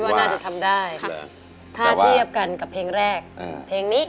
ว่าน่าจะทำได้ถ้าเทียบกันกับเพลงแรกเพลงนี้